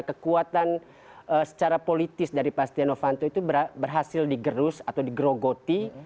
kekuatan secara politis dari pastiano vanto itu berhasil digerus atau digerogoti